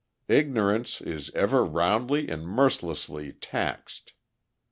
Ignorance is ever roundly and mercilessly taxed!